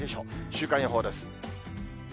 週間予報です。